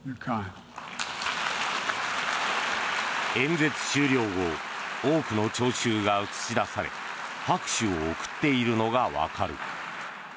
演説終了後多くの聴衆が映し出され拍手を送っているのがわかる。